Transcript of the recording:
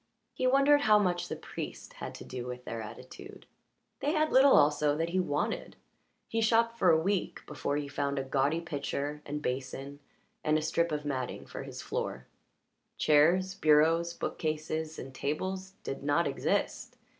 He wondered how much the priest had to do with their attitude. They had little also that he wanted he shopped for a week before he found a gaudy pitcher and basin and a strip of matting for his floor. Chairs, bureaus, bookcases, and tables did not exist.